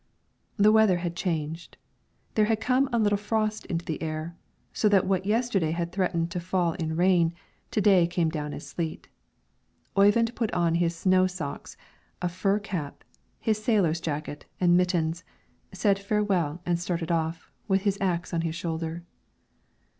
The weather had changed, there had come a little frost into the air, so that what yesterday had threatened to fall in rain, to day came down as sleet. Oyvind put on his snow socks, a fur cap, his sailor's jacket and mittens, said farewell, and started off, with his axe on his shoulder.